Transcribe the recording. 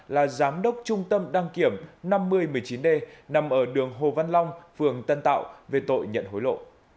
là giám đốc trung tâm đăng kiểm năm mươi một mươi chín d nằm ở đường hồ văn long phường tân tạo về tội nhận hối lộ